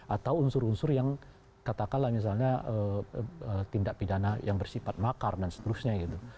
atau unsur unsur yang katakanlah misalnya tindak pidana yang bersifat makar dan seterusnya gitu